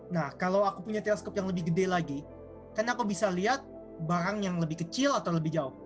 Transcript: nah kalau aku punya teleskop yang lebih gede lagi kan aku bisa lihat barang yang lebih kecil atau lebih jauh